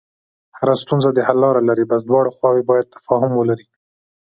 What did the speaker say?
هره ستونزه د حل لاره لري، بس دواړه خواوې باید تفاهم ولري.